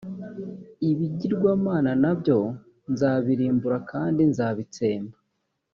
ibigirwamana na byo nzabirimbura kandi nzabitsemba